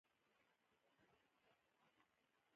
په درېیمه نړۍ کې ناکس خلګ خپلو ملتو ته پړسوي.